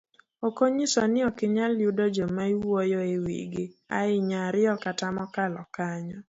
Okonyiso ni okinyal yudo joma iwuoyo ewigi ahinya ariyo kata mokalo kanyo.